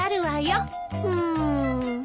うん。